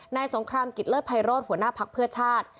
นายสงครามกิจเลือดไพโรศหัวหน้าภักดิ์เพื่อชาติ